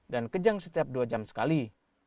dan kejang setiap dua jam sekali